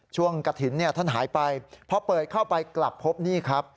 ช่วงกฐินท่านหายไปเพราะเปิดเข้าไปกลับพบนี่ครับ